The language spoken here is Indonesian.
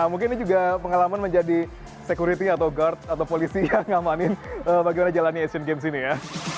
mungkin ini juga pengalaman menjadi security atau guard atau polisi yang ngamanin bagaimana jalannya asian games ini ya